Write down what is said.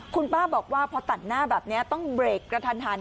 คุณป้าบอกว่าพอตัดหน้าแบบนี้ต้องเบรกกระทันหัน